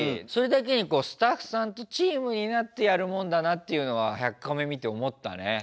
それだけにスタッフさんとチームになってやるもんだなっていうのは「１００カメ」見て思ったね。